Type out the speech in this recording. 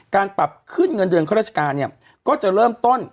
การปรับขึ้นเงินเดือนข้าราชการเนี่ยก็จะเริ่มต้น